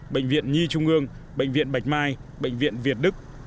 bệnh viện nhi trung ương bệnh viện bạch mai bệnh viện việt đức